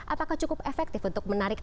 apakah cukup efektif untuk menarik